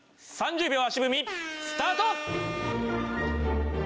３０秒足踏みスタート！